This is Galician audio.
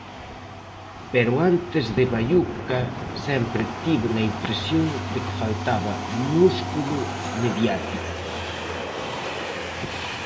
Pero antes de Baiuca sempre tiven a impresión de que faltaba músculo mediático.